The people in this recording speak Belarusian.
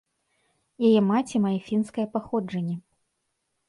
Яе маці мае фінскае паходжанне.